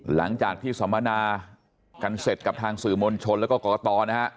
หลังจากที่สำนาค์กันเสร็จกับทางสื่อมณชนและกรกตนะฮะ